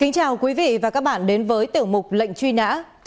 chào mừng quý vị đến với tiểu mục lệnh truy nã